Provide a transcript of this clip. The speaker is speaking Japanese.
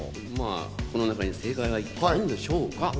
この中に正解があるんでしょうか？